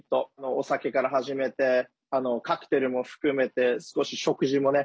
お酒から始めてカクテルも含めて、少し食事もね。